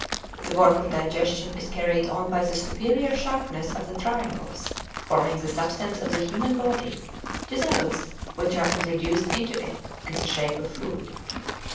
The work of digestion is carried on by the superior sharpness of the triangles forming the substances of the human body to those which are introduced into it in the shape of food.